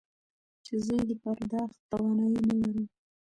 چې زه يې د پرداخت توانايي نه لرم.